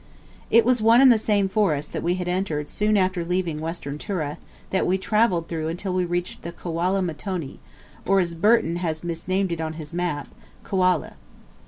It was one and the same forest that we had entered soon after leaving Western Tura, that we travelled through until we reached the Kwala Mtoni, or, as Burton has misnamed it on his map, "Kwale."